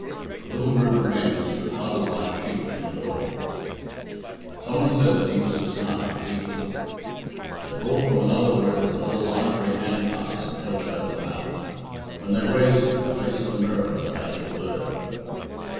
A little group of men stood huddled like sheep near the door. Some one said the Deemster's heart was beating. They brought from another room a little ivory hand glass and held it over the mouth. When they raised it the face of the mirror was faintly blurred.